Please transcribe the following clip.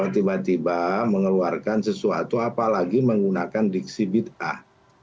tiba tiba mengeluarkan sesuatu apalagi menggunakan diksi bid'ah